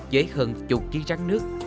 với hơn chục ký rắn nước